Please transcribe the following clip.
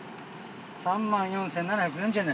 ３万４，０００円！